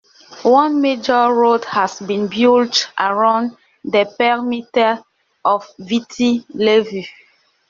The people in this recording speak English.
One major road has been built around the perimeter of Viti Levu.